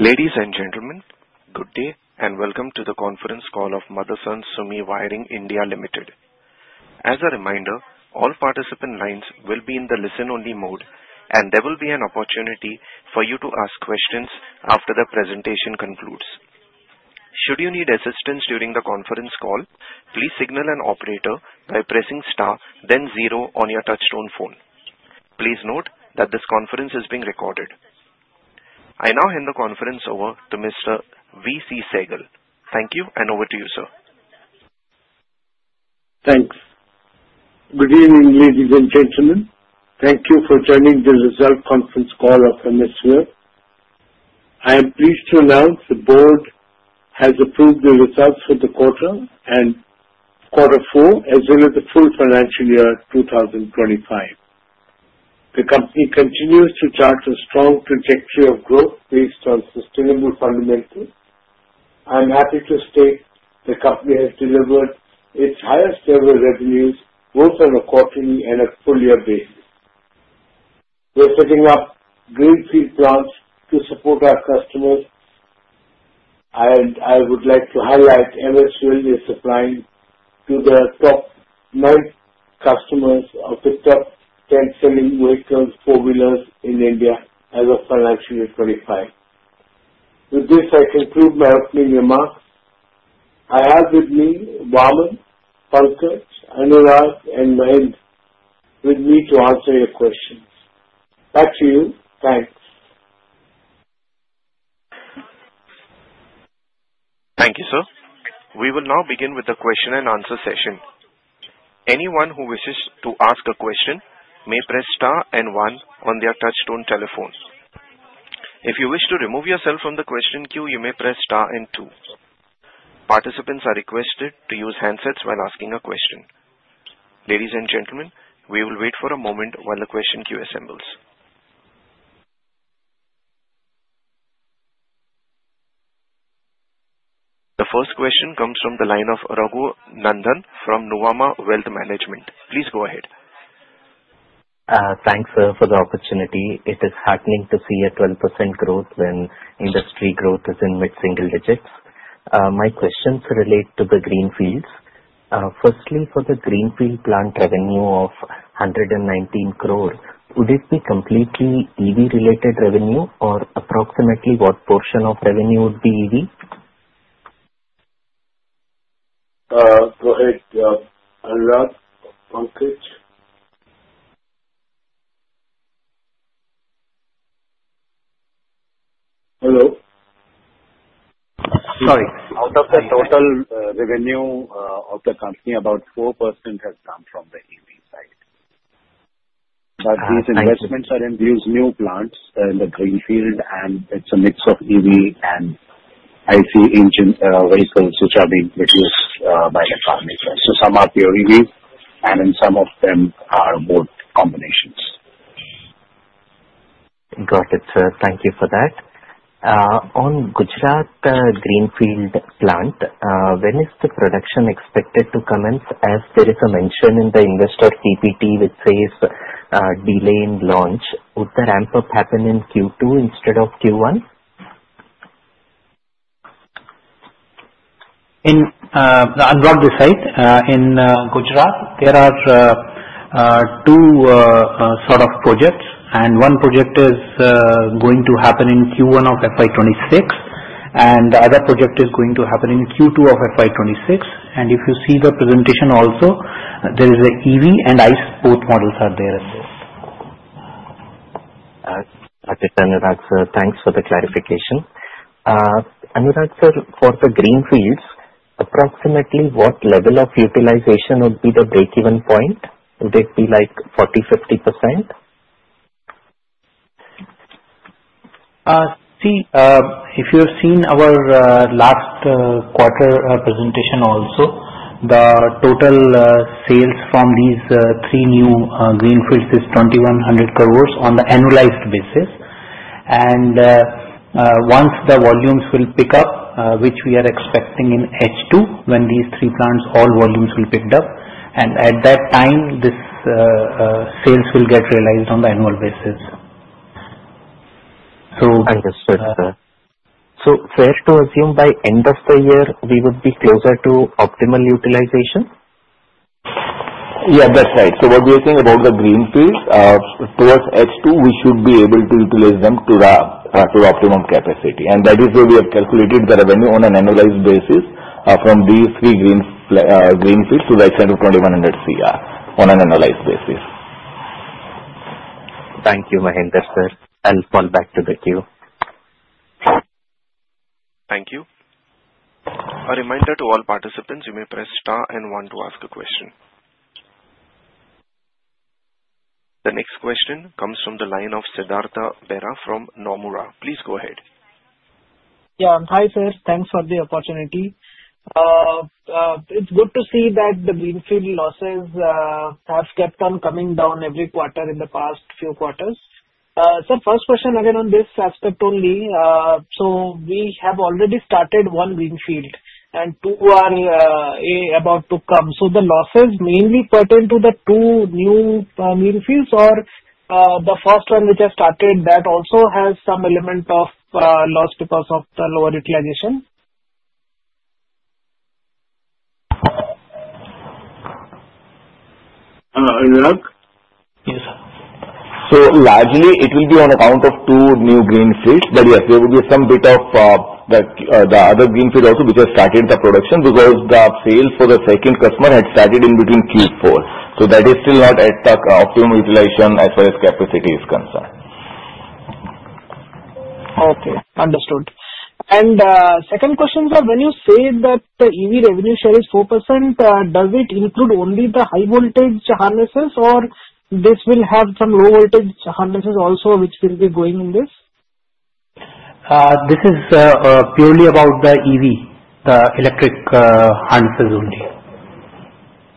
Ladies and gentlemen, good day and welcome to the conference call of Motherson Sumi Wiring India Limited. As a reminder, all participant lines will be in the listen-only mode, and there will be an opportunity for you to ask questions after the presentation concludes. Should you need assistance during the conference call, please signal an operator by pressing star, then zero on your touch-tone phone. Please note that this conference is being recorded. I now hand the conference over to Mr. V. C. Sehgal. Thank you, and over to you, sir. Thanks. Good evening, ladies and gentlemen. Thank you for joining the recorded conference call of MSW. I am pleased to announce the Board has approved the results for the quarter and quarter four, as well as the full financial year 2025. The company continues to chart a strong trajectory of growth based on sustainable fundamentals. I'm happy to state the company has delivered its highest ever revenues, both on a quarterly and a full-year basis. We're setting up greenfield plants to support our customers, and I would like to highlight MSW is supplying to the top nine customers of the top ten selling vehicles, four-wheelers in India as of financial year 2025. With this, I conclude my opening remarks. I have with me V. C. Sehgal, Pankaj, Anurag, and Mahender to answer your questions. Back to you. Thanks. Thank you, sir. We will now begin with the question and answer session. Anyone who wishes to ask a question may press star and one on their touch-tone telephones. If you wish to remove yourself from the question queue, you may press star and two. Participants are requested to use handsets while asking a question. Ladies and gentlemen, we will wait for a moment while the question queue assembles. The first question comes from the line of Raghunandhan from Nuvama Wealth Management. Please go ahead. Thanks for the opportunity. It is heartening to see a 12% growth when industry growth is in mid-single digits. My questions relate to the greenfields. Firstly, for the greenfield plant revenue of 119 crore, would it be completely EV-related revenue, or approximately what portion of revenue would be EV? Go ahead, Anurag, Pankaj. Hello? Sorry. Out of the total revenue of the company, about 4% has come from the EV side. But these investments are in these new plants in the greenfield, and it's a mix of EV and ICE vehicles, which are being produced by the carmakers. So some are purely EVs, and some of them are both combinations. Got it, sir. Thank you for that. On Gujarat greenfield plant, when is the production expected to commence? As there is a mention in the investor PPT, which says delay in launch, would the ramp-up happen in Q2 instead of Q1? I'll take this slide. In Gujarat, there are two sort of projects, and one project is going to happen in Q1 of FY 2026, and the other project is going to happen in Q2 of FY 2026. And if you see the presentation also, there is an EV and ICE, both models are there as well. Thanks for the clarification. Anurag, sir, for the greenfields, approximately what level of utilization would be the break-even point? Would it be like 40%-50%? See, if you have seen our last quarter presentation also, the total sales from these three new greenfields is 2,100 crores on the annualized basis. And once the volumes will pick up, which we are expecting in H2, when these three plants' all volumes will pick up, and at that time, this sales will get realized on the annual basis. So. Thank you, sir. So fair to assume by end of the year, we would be closer to optimal utilization? Yeah, that's right. So what we are saying about the greenfields, towards H2, we should be able to utilize them to the optimum capacity. And that is where we have calculated the revenue on an annualized basis from these three greenfields to the extent of 2,100 Cr on an annualized basis. Thank you, Mahender sir. I'll fall back to the queue. Thank you. A reminder to all participants, you may press star and one to ask a question. The next question comes from the line of Siddhartha Bera from Nomura. Please go ahead. Yeah, Hi sir. Thanks for the opportunity. It's good to see that the greenfield losses have kept on coming down every quarter in the past few quarters. Sir, first question again on this aspect only. So we have already started one greenfield, and two are about to come. So the losses mainly pertain to the two new greenfields, or the first one which has started, that also has some element of loss because of the lower utilization? Anurag? Yes, sir. So largely, it will be on account of two new greenfields, but yes, there will be some bit of the other greenfield also, which has started the production because the sales for the second customer had started in between Q4. So that is still not at the optimum utilization as far as capacity is concerned. Okay, understood. And second question, sir, when you say that the EV revenue share is 4%, does it include only the high-voltage harnesses, or this will have some low-voltage harnesses also, which will be going in this? This is purely about the EV, the electric harnesses only.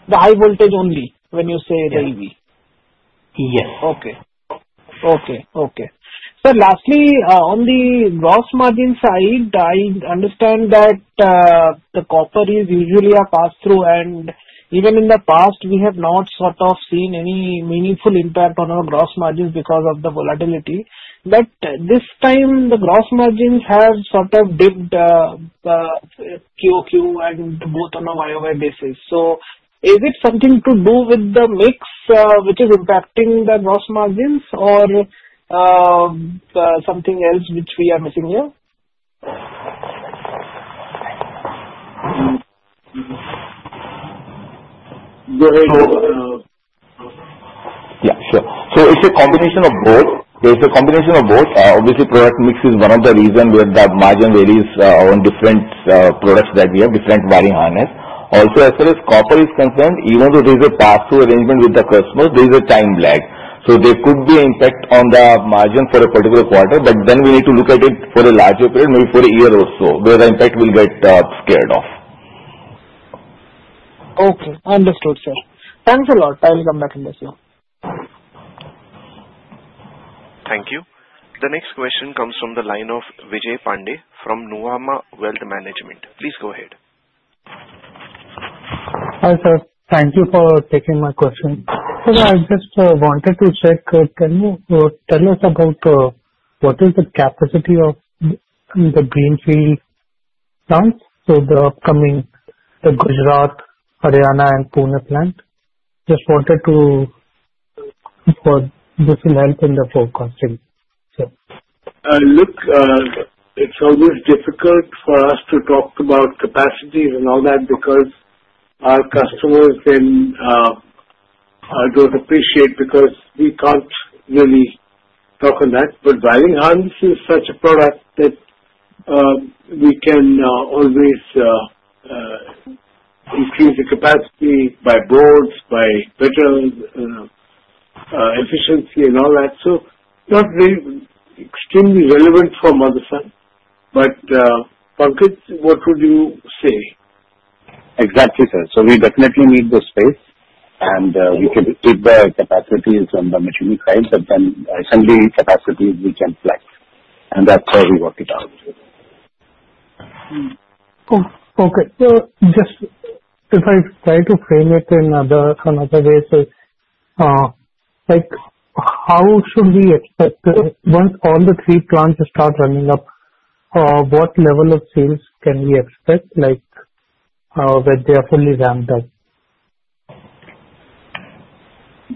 The high-voltage only when you say the EV? Yes. Okay. Sir, lastly, on the gross margin side, I understand that the copper is usually a pass-through, and even in the past, we have not sort of seen any meaningful impact on our gross margins because of the volatility. But this time, the gross margins have sort of dipped QoQ and both on a YoY basis. So is it something to do with the mix which is impacting the gross margins, or something else which we are missing here? Go ahead. Yeah, sure. So it's a combination of both. There's a combination of both. Obviously, product mix is one of the reasons where the margin varies on different products that we have, different wiring harness. Also, as far as copper is concerned, even though there's a pass-through arrangement with the customers, there's a time lag. So there could be an impact on the margin for a particular quarter, but then we need to look at it for a larger period, maybe for a year or so, where the impact will get squared off. Okay, understood, sir. Thanks a lot. I'll come back on this now. Thank you. The next question comes from the line of Vijay Pandey from Nuvama Wealth Management. Please go ahead. Hi, sir. Thank you for taking my question. Sir, I just wanted to check. Can you tell us about what is the capacity of the greenfield plants? So the upcoming Gujarat, Haryana, and Pune plant. Just wanted to see if this will help in the forecasting. Look, it's always difficult for us to talk about capacity and all that because our customers then don't appreciate because we can't really talk on that. But wiring harness is such a product that we can always increase the capacity by boards, by better efficiency, and all that. So not really extremely relevant for Motherson. But Pankaj, what would you say? Exactly, sir. So we definitely need the space, and we can keep the capacities on the machinery side, but then assembly capacity we can flex. And that's how we work it out. Okay, so just if I try to frame it on another basis, how should we expect once all the three plants start running up, what level of sales can we expect when they are fully ramped up?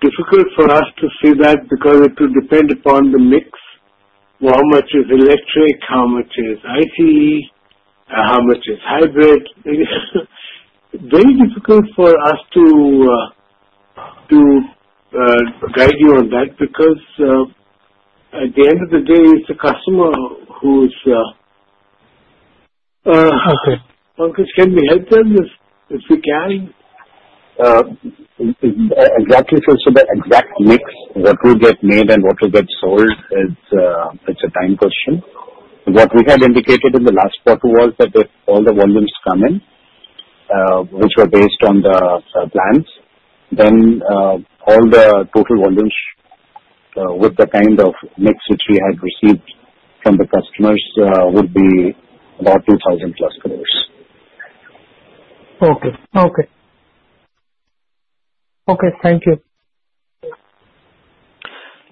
Difficult for us to say that because it will depend upon the mix, how much is electric, how much is ICE, how much is hybrid. Very difficult for us to guide you on that because at the end of the day, it's the customer who's. Okay. Pankaj, can we help them if we can? Exactly, sir. So the exact mix, what will get made and what will get sold, it's a time question. What we had indicated in the last quarter was that if all the volumes come in, which were based on the plants, then all the total volumes with the kind of mix which we had received from the customers would be about 2,000+ crores. Okay, thank you.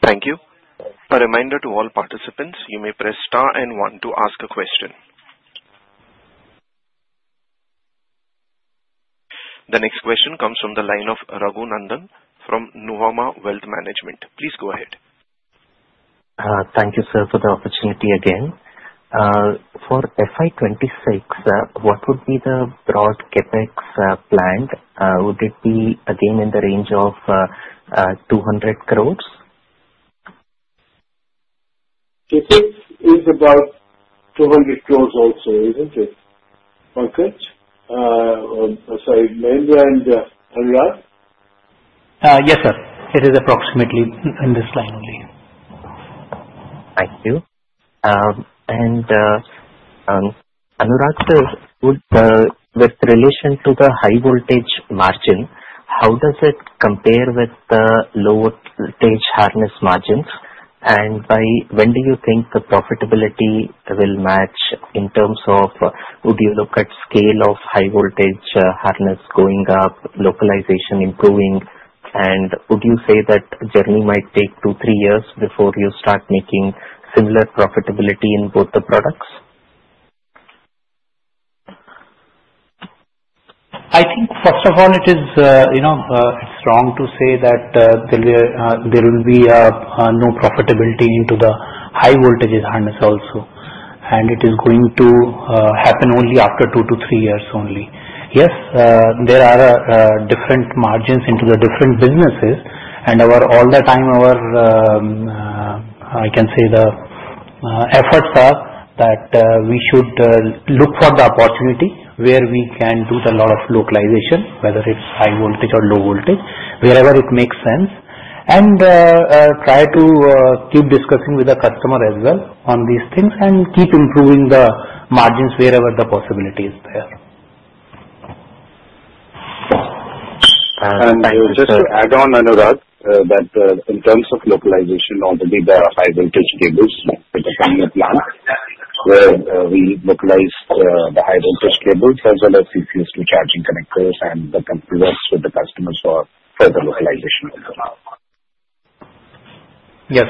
Thank you. A reminder to all participants, you may press star and one to ask a question. The next question comes from the line of Raghunandhan from Nuvama Wealth Management. Please go ahead. Thank you, sir, for the opportunity again. For FY 2026, what would be the broad CapEx planned? Would it be again in the range of 200 crores? CapEx is about 200 crores also, isn't it? Pankaj? Sorry, Mahender and Anurag? Yes, sir. It is approximately in this line only. Thank you. And Anurag, sir, with relation to the high-voltage margin, how does it compare with the low-voltage harness margins? And when do you think the profitability will match in terms of, would you look at scale of high-voltage harness going up, localization improving? And would you say that journey might take two, three years before you start making similar profitability in both the products? I think first of all, it's wrong to say that there will be no profitability into the high-voltage harness also, and it is going to happen only after two to three years only. Yes, there are different margins into the different businesses, and all the time, I can say the efforts are that we should look for the opportunity where we can do a lot of localization, whether it's high-voltage or low-voltage, wherever it makes sense, and try to keep discussing with the customer as well on these things and keep improving the margins wherever the possibility is there. Just to add on, Anurag, that in terms of localization, already the high-voltage cables with the primary plant where we localized the high-voltage cables as well as CCS2 charging connectors and the work with the customers for further localization of the. Yes.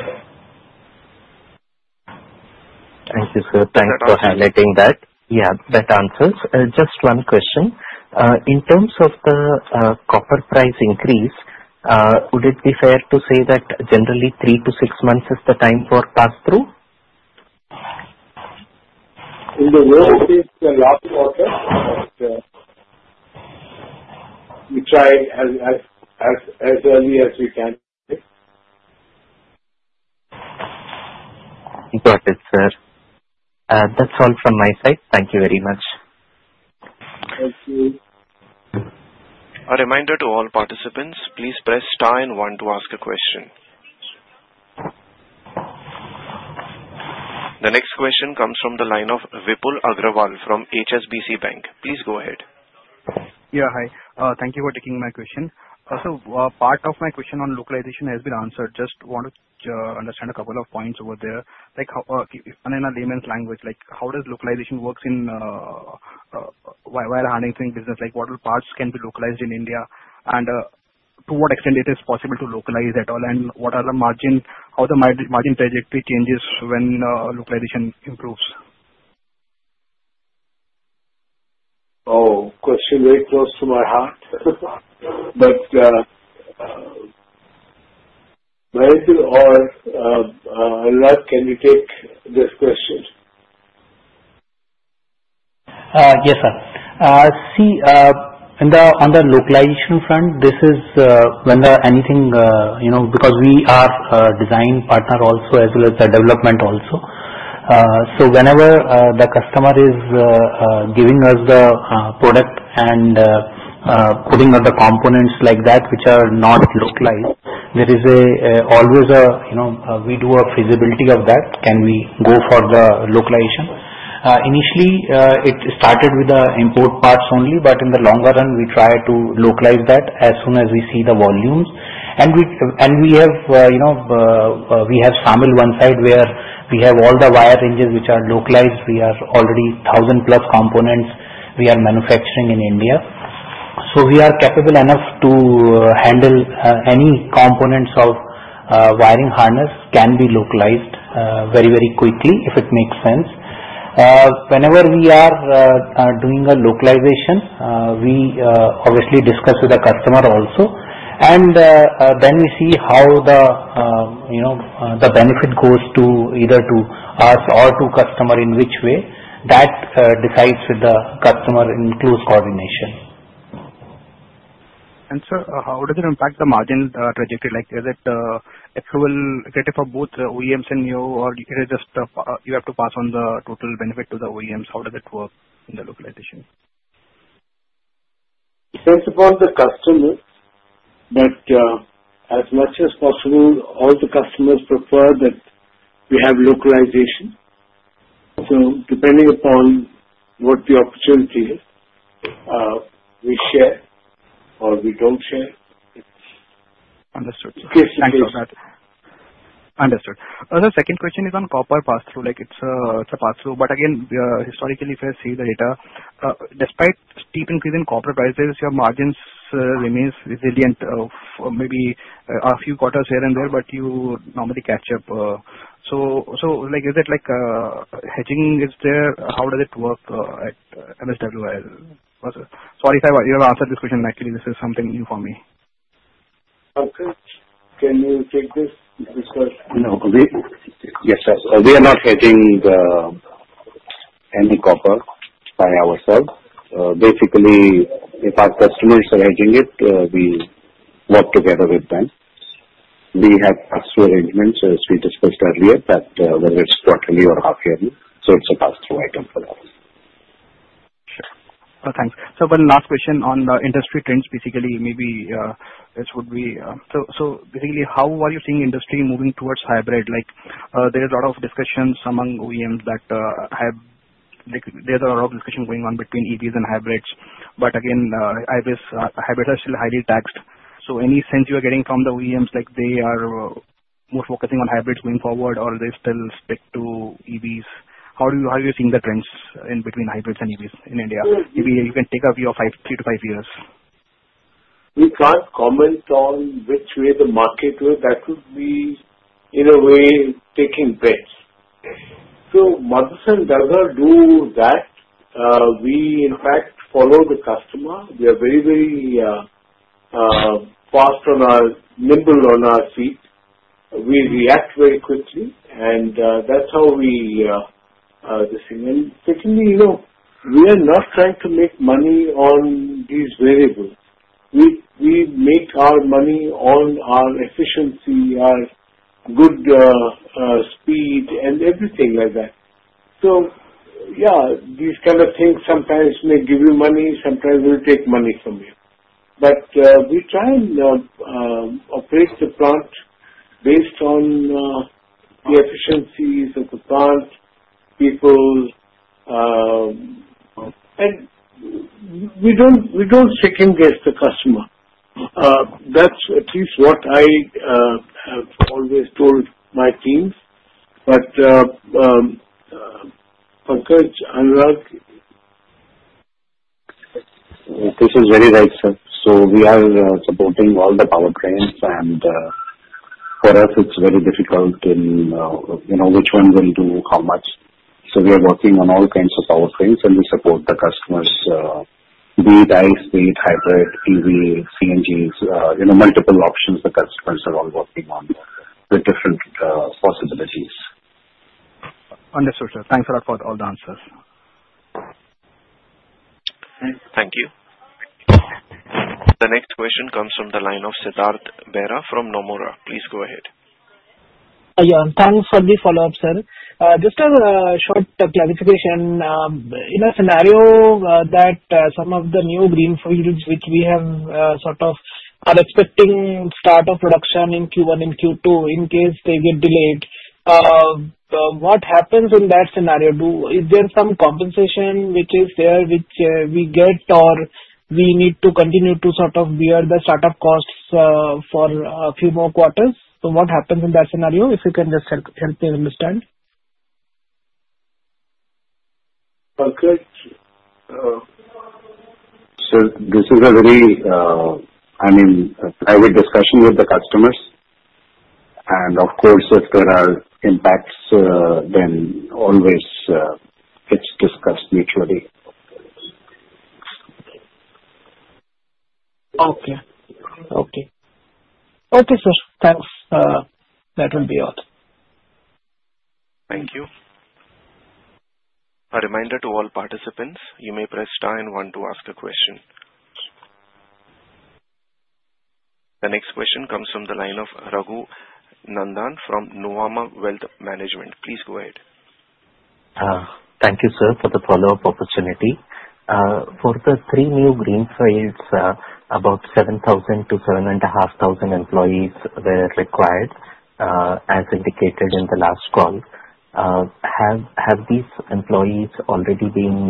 Thank you, sir. Thanks for highlighting that. Yeah, that answers. Just one question. In terms of the copper price increase, would it be fair to say that generally three to six months is the time for pass-through? In the worst case, a lot of quarters, but we try as early as we can. Got it, sir. That's all from my side. Thank you very much. A reminder to all participants, please press star and one to ask a question. The next question comes from the line of Vipul Agrawal from HSBC Bank. Please go ahead. Yeah, hi. Thank you for taking my question. So part of my question on localization has been answered. Just want to understand a couple of points over there. In a layman's language, how does localization work in wiring harness business? What parts can be localized in India? And to what extent it is possible to localize at all? And what are the margin trajectory changes when localization improves? Oh, question very close to my heart. But Mahender or Anurag, can you take this question? Yes, sir. See, on the localization front, this is when anything because we are a design partner also as well as a development also. So whenever the customer is giving us the product and putting on the components like that which are not localized, there is always a we do a feasibility of that. Can we go for the localization? Initially, it started with the import parts only, but in the longer run, we try to localize that as soon as we see the volumes. And we have SAMIL on one side where we have all the wire ranges which are localized. We are already 1,000 plus components we are manufacturing in India. So we are capable enough to handle any components of wiring harness can be localized very, very quickly if it makes sense. Whenever we are doing a localization, we obviously discuss with the customer also. And then we see how the benefit goes either to us or to customer in which way. That decides with the customer in close coordination. Sir, how does it impact the margin trajectory? Is it equivalent for both OEMs and you, or is it just you have to pass on the total benefit to the OEMs? How does it work in the localization? It depends upon the customer, but as much as possible, all the customers prefer that we have localization, so depending upon what the opportunity is, we share or we don't share. Understood. Thank you for that. Understood. The second question is on copper pass-through. It's a pass-through. But again, historically, if I see the data, despite steep increase in copper prices, your margins remain resilient maybe a few quarters here and there, but you normally catch up. So is it like hedging is there? How does it work at MSWI? Sorry if I answered this question accurately. This is something new for me. Pankaj, can you take this? Yes, sir. We are not hedging any copper by ourselves. Basically, if our customers are hedging it, we work together with them. We have pass-through arrangements, as we discussed earlier, that whether it's quarterly or half-yearly. So it's a pass-through item for us. Sure. Thanks. One last question on the industry trends. Basically, how are you seeing the industry moving towards hybrid? There is a lot of discussion among OEMs going on between EVs and hybrids. But again, hybrids are still highly taxed. So any sense you are getting from the OEMs like they are more focusing on hybrids going forward, or they still stick to EVs? How are you seeing the trends in between hybrids and EVs in India? Maybe you can take a view of three to five years. We can't comment on which way the market will. That would be, in a way, taking bets. So Motherson does not do that. We, in fact, follow the customer. We are very, very fast and nimble on our feet. We react very quickly, and that's how we decide. Secondly, we are not trying to make money on these variables. We make our money on our efficiency, our good speed, and everything like that. So yeah, these kind of things sometimes may give you money, sometimes will take money from you. But we try and operate the plant based on the efficiencies of the plant, people. And we don't second-guess the customer. That's at least what I have always told my teams. But Pankaj, Anurag. This is very right, sir. So we are supporting all the power trains, and for us, it's very difficult in which one will do how much. So we are working on all kinds of power trains, and we support the customers' PV, diesel, V8, hybrid, EV, CNGs, multiple options the customers are all working on with different possibilities. Understood, sir. Thanks a lot for all the answers. Thank you. The next question comes from the line of Siddhartha Bera from Nomura. Please go ahead. Yeah. Thanks for the follow-up, sir. Just a short clarification. In a scenario that some of the new greenfields which we have sort of are expecting start of production in Q1 and Q2, in case they get delayed, what happens in that scenario? Is there some compensation which is there which we get, or we need to continue to sort of bear the startup costs for a few more quarters? So what happens in that scenario? If you can just help me understand. Pankaj, so this is a very, I mean, private discussion with the customers. And of course, if there are impacts, then always it's discussed mutually. Okay, sir. Thanks. That will be all. Thank you. A reminder to all participants, you may press star and one to ask a question. The next question comes from the line of Raghunandhan from Nuvama Wealth Management. Please go ahead. Thank you, sir, for the follow-up opportunity. For the three new greenfields, about 7,000-7,500 employees were required as indicated in the last call. Have these employees already been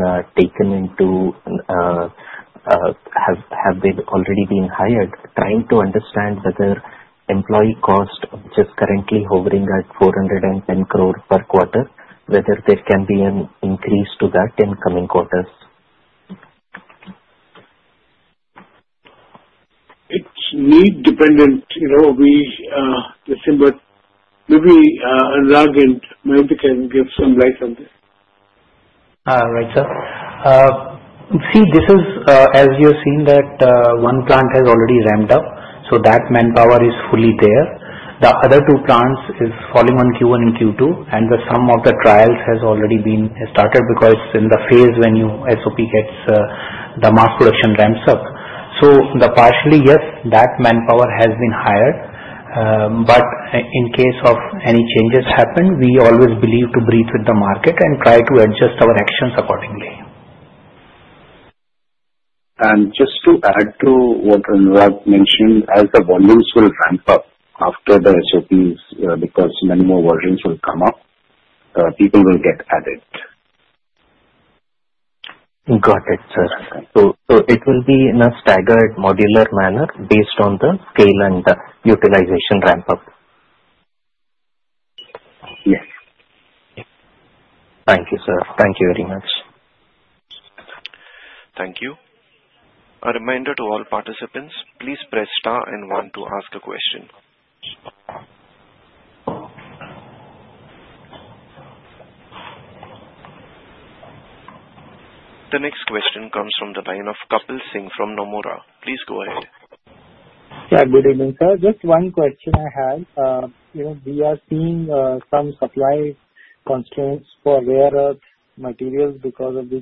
hired? Trying to understand whether employee cost, which is currently hovering at 410 crore per quarter, whether there can be an increase to that in coming quarters. It's need dependent. We assume that maybe Anurag and Mahender can give some light on this. Right, sir. See, this is as you've seen that one plant has already ramped up. So that manpower is fully there. The other two plants are coming on in Q1 and Q2, and some of the trials has already been started because in the phase when SOP gets the mass production ramps up. So partially, yes, that manpower has been hired. But in case of any changes happen, we always believe to flex with the market and try to adjust our actions accordingly. Just to add to what Anurag mentioned, as the volumes will ramp up after the SOPs because many more volumes will come up, people will get added. Got it, sir. So it will be in a staggered modular manner based on the scale and utilization ramp-up? Yes. Thank you, sir. Thank you very much. Thank you. A reminder to all participants, please press star and one to ask a question. The next question comes from the line of Kapil Singh from Nomura. Please go ahead. Yeah, good evening, sir. Just one question I have. We are seeing some supply constraints for rare earth materials because of the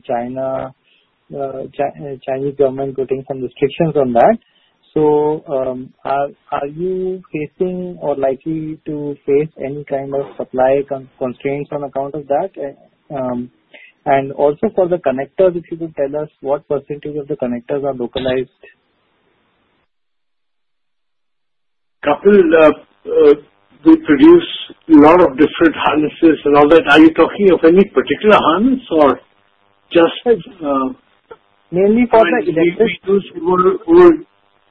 Chinese government putting some restrictions on that. So are you facing or likely to face any kind of supply constraints on account of that? And also for the connectors, if you could tell us what percentage of the connectors are localized? Kapil, we produce a lot of different harnesses and all that. Are you talking of any particular harness or just? Mainly for the electric? We usually use over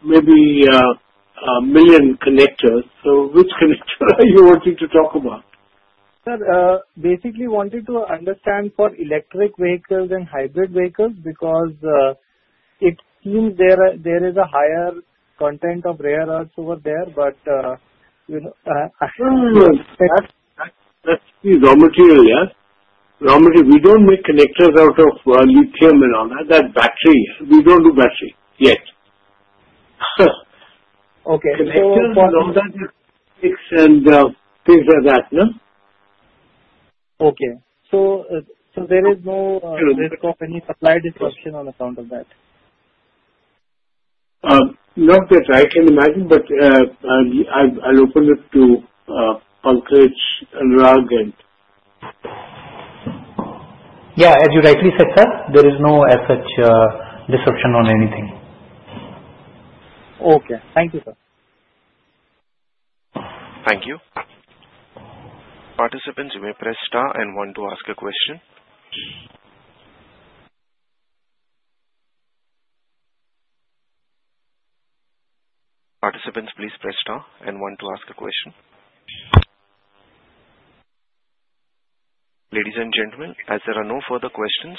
maybe a million connectors. So which connector are you wanting to talk about? Sir, basically wanting to understand for electric vehicles and hybrid vehicles because it seems there is a higher content of rare earth over there, but. That's the raw material, yeah? Raw material. We don't make connectors out of lithium and all that. That's battery. We don't do battery yet. Okay. Connectors for all that is fixed and things like that, no? Okay, so there is no risk of any supply disruption on account of that? Not that I can imagine, but I'll open it to Pankaj, Anurag, and. Yeah, as you rightly said, sir, there is no such disruption on anything. Okay. Thank you, sir. Thank you. Participants, you may press star and one to ask a question. Participants, please press star and one to ask a question. Ladies and gentlemen, as there are no further questions,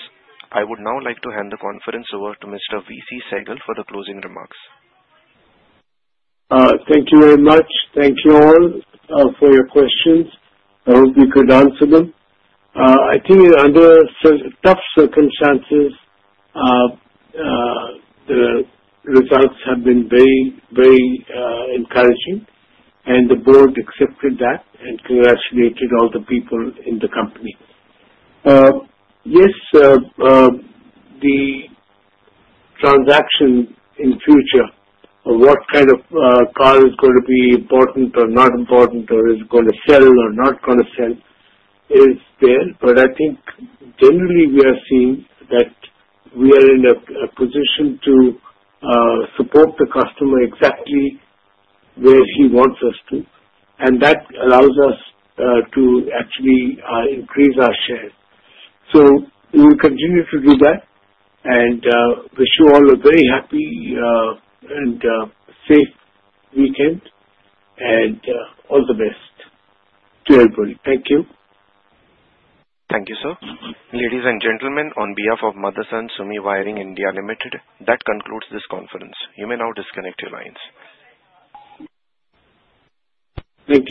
I would now like to hand the conference over to Mr. V. C. Sehgal for the closing remarks. Thank you very much. Thank you all for your questions. I hope we could answer them. I think under tough circumstances, the results have been very, very encouraging, and the Board accepted that and congratulated all the people in the company. Yes, the transition in future of what kind of car is going to be important or not important or is going to sell or not going to sell is there. But I think generally we are seeing that we are in a position to support the customer exactly where he wants us to. And that allows us to actually increase our share. So we will continue to do that and wish you all a very happy and safe weekend and all the best to everybody. Thank you. Thank you, sir. Ladies and gentlemen, on behalf of Motherson Sumi Wiring India Limited, that concludes this conference. You may now disconnect your lines. Thank you.